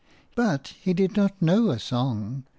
But he did not know a song!